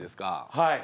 はい。